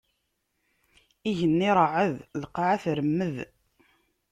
Igenni iṛeɛɛed, lqaɛa tremmed.